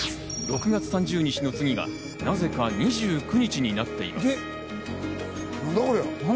６月３０日の次がなぜか２９日になっています。